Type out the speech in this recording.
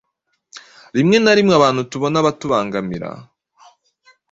Rimwe na rimwe abantu tubona abatubangamira,